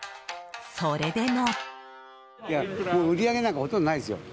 それでも。